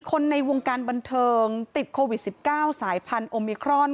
คนในวงการบันเทิงติดโควิด๑๙สายพันธุมิครอน